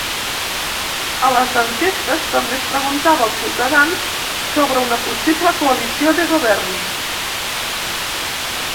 A les enquestes també es preguntava als ciutadans sobre una possible coalició de govern.